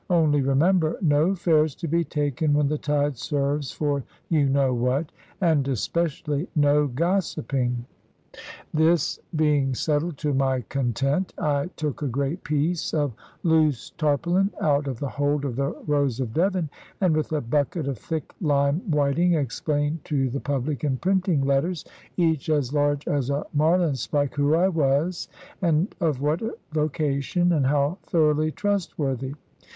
Only remember, no fares to be taken when the tide serves for you know what. And especially no gossiping." This being settled to my content, I took a great peace of loose tarpaulin out of the hold of the Rose of Devon, and with a bucket of thick lime whiting explained to the public in printing letters, each as large as a marlinspike, who I was, and of what vocation, and how thoroughly trustworthy.